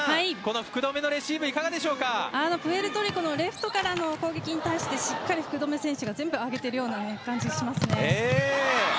福留のレシーブプエルトリコのレフトからの攻撃に対してしっかり福留選手が全部上げている感じがしますね。